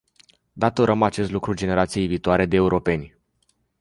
Datorăm acest lucru generației viitoare de europeni.